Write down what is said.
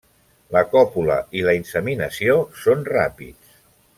La còpula i la inseminació són ràpids.